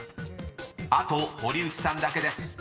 ［あと堀内さんだけです］